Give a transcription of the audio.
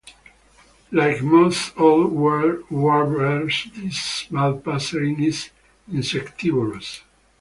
Like most Old World warblers, this small passerine is insectivorous.